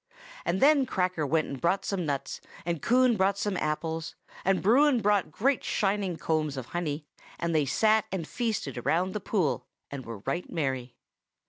And then Cracker went and brought some nuts, and Coon brought apples, and Bruin brought great shining combs of honey, and they sat and feasted around the pool, and were right merry.